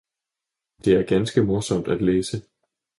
Det er ganske morsomt at læse!